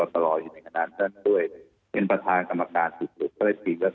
สนุนโดยน้ำดื่มสิง